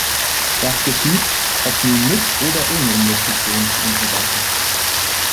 Das geschieht – ob nun mit oder ohne Investitionen von unserer Seite.